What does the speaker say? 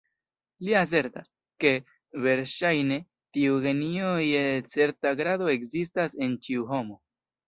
Li asertas, ke, verŝajne, tiu genio je certa grado ekzistas en ĉiu homo.